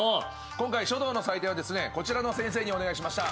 今回書道の採点はですねこちらの先生にお願いしました。